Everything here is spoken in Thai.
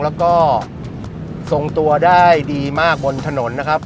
แล้วก็ทรงตัวได้ดีมากบนถนนนะครับ